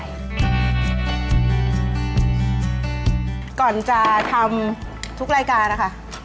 ก่อนจะทำทุกรายการนะคะ